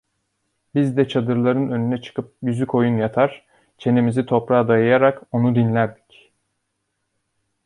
Biz de çadırların önüne çıkıp yüzükoyun yatar, çenemizi toprağa dayayarak onu dinlerdik.